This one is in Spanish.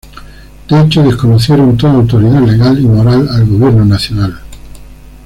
De hecho, desconocieron toda autoridad legal y moral al gobierno nacional.